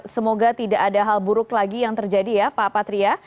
semoga tidak ada hal buruk lagi yang terjadi ya pak patria